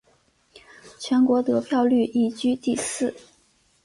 全国得票率亦居第四。